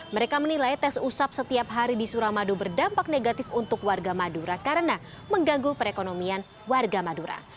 mereka menilai tes usap setiap hari di suramadu berdampak negatif untuk warga madura karena mengganggu perekonomian warga madura